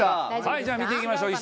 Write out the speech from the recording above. じゃあ見ていきましょう。